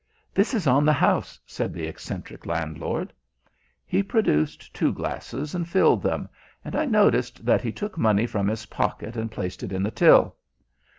"This is on the house," said the eccentric landlord. He produced two glasses and filled them, and I noticed that he took money from his pocket and placed it in the till.